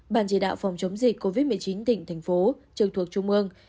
bàn chỉ đạo phòng chống dịch covid một mươi chín tỉnh thành phố trường thuộc trung mương